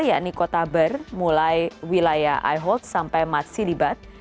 yakni kota bern mulai wilayah eyholt sampai matsili bad